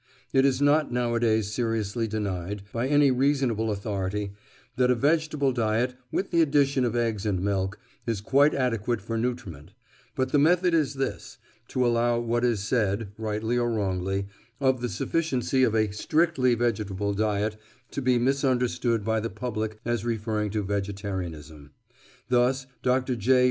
It is not nowadays seriously denied, by any responsible authority, that a vegetable diet, with the addition of eggs and milk, is quite adequate for nutriment; but the method is this—to allow what is said (rightly or wrongly) of the sufficiency of a strictly vegetable diet to be misunderstood by the public as referring to "vegetarianism." Thus, Dr. J.